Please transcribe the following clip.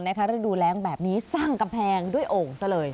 ได้ดูแลงแบบนี้สร้างกำแพงด้วยองค์ซะเลย